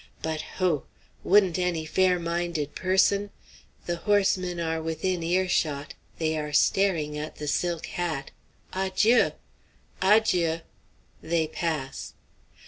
But, hooh! wouldn't any fair minded person" the horsemen are within earshot; they are staring at the silk hat "Adjieu." "Adjieu." They pass.